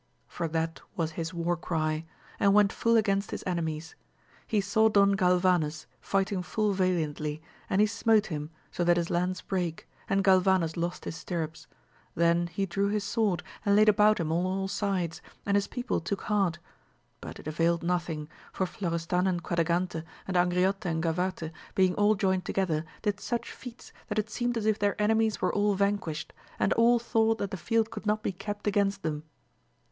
for that was his war cry, and went full against his enemies. He saw Don Galvanes fighting full valiantly, and he smote him, so that his lance brake, and Galvanes lost his stirrups; then he drew his sword and laid about him on all sides, and his people took heart ; but it availed nothing, for Florestan and Quadragante, and ;Angriote and Gavarte, being all joined together, did such feats, that it seemed as if their enemies were all vanquished, and all thought that the field could not be kept against them.